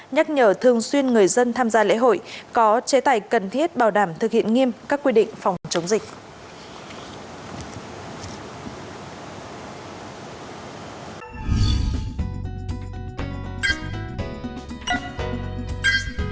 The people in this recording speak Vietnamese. nhắc nhở thường xuyên người dân tham gia lễ hội có chế tài cần thiết bảo đảm thực hiện nghiêm các quy định phòng chống dịch